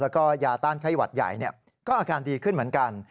แล้วก็ยาต้านไข้หวัดใหญ่ก็อาการดีขึ้นเหมือนกัน